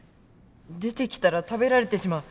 出てきたら食べられてしまう。